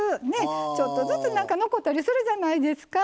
ちょっとずつ残ったりするじゃないですか。